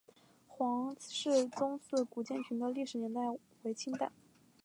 黄氏宗祠古建群的历史年代为清代。